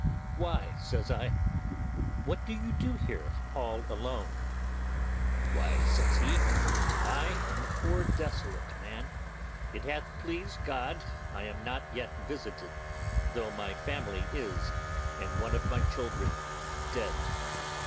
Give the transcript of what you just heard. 'Why,' says I, 'what do you here all alone?' 'Why,' says he, 'I am a poor, desolate man; it has pleased God I am not yet visited, though my family is, and one of my children dead.